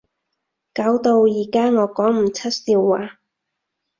搞到而家我講唔出笑話